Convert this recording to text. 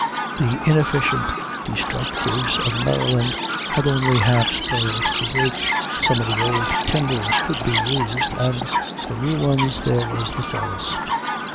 The inefficient destructives of Maryland had only half spoilt the bridge. Some of the old timbers could be used, and for new ones, there was the forest.